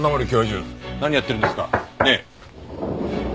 ねえ。